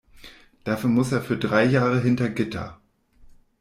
Dafür muss er für drei Jahre hinter Gitter.